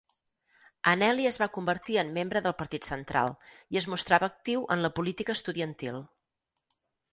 Anneli es va convertir en membre del Partit Central i es mostrava actiu en la política estudiantil.